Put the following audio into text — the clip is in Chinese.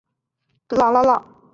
拉博姆科尔尼朗。